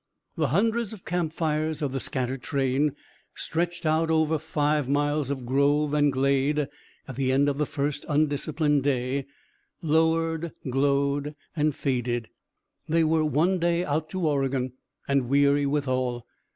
The hundreds of camp fires of the scattered train, stretched out over five miles of grove and glade at the end of the first undisciplined day, lowered, glowed and faded. They were one day out to Oregon, and weary withal.